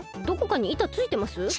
どこかに板ついてます？